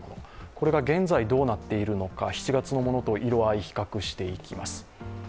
これが現在どうなっているのか、７月のものと色合いを比較していきます。